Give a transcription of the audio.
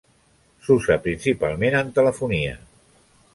S'usa principalment en telefonia.